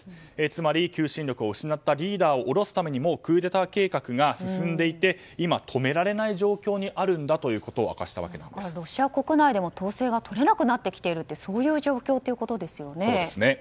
つまり求心力を失ったリーダーを下ろすためにもうクーデター計画が進んでいて今、止められない状況にあるんだということをロシア国内でも統制がとれなくなっているそういう状況ということですね。